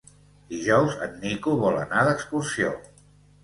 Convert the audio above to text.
Dijous en Nico vol anar d'excursió.